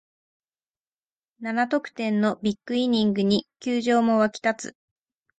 七得点のビッグイニングに球場も沸き立つ